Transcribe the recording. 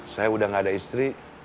saya udah gak ada istri